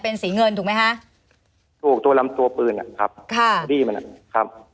เป็นสีเงินถูกไหมฮะถูกตัวลำตัวปืนอ่ะครับค่ะครับ